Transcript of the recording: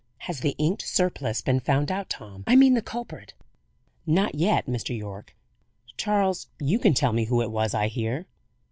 "Has the inked surplice been found out, Tom, I mean the culprit?" "Not yet, Mr. Yorke." "Charles, you can tell me who it was, I hear?"